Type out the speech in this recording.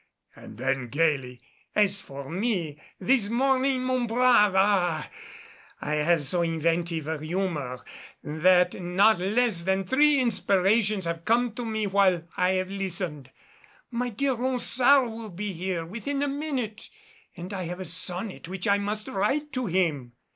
And then gaily, "As for me, this morning, mon brave, ah! I have so inventive a humor that not less than three inspirations have come to me while I have listened. My dear Ronsard will be here within the minute and I have a sonnet which I must write to him."